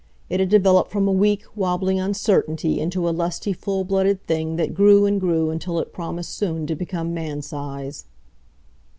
It had developed from a weak, wobbling uncertainty into a lusty full blooded thing that grew and grew until it promised soon to become mansize.